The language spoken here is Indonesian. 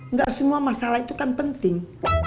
nggak semua masalah itu kan penting